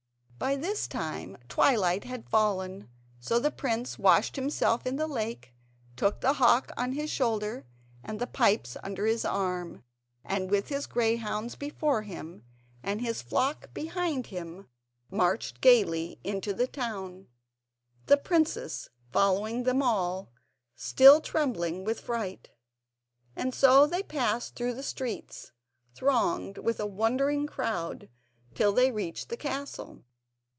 By this time twilight had fallen, so the prince washed himself in the lake, took the hawk on his shoulder and the pipes under his arm, and with his greyhounds before him and his flock behind him, marched gaily into the town, the princess following them all, still trembling with fright. And so they passed through the streets, thronged with a wondering crowd, till they reached the castle.